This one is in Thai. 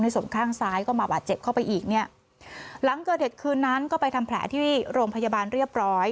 ส่วนข้างซ้ายก็มาบาดเจ็บเข้าไปอีกเนี่ยหลังเกิดเหตุคืนนั้นก็ไปทำแผลที่โรงพยาบาลเรียบร้อย